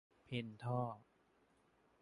เพ็นท่อ